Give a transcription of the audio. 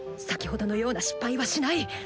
先ほどのような失敗はしない！